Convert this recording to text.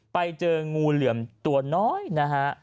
ไปเจองูเหลือมตัวน้อยนะฮะ